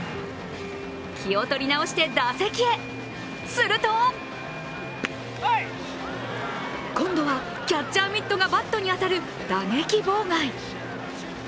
気を取り直して打席へ、すると今度はキャッチャーミットがバットに当たる打撃妨害。